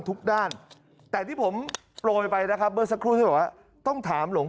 ทุกด้านแต่ที่ผมโปร่งไปนะครับน้อยขอว่าต้องถามหลวง